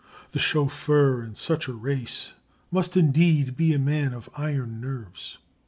The chauffeur in such a race must indeed be a man of iron nerves.